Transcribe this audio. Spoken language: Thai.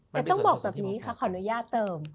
แต่ต้องบอกแบบนี้ค่ะขออนุญาตเติม